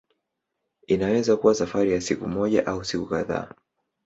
Inaweza kuwa safari ya siku moja au siku kadhaa.